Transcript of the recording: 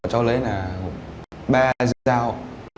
cháu lấy ba dao